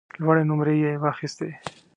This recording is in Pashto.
لوړې نمرې یې واخیستې.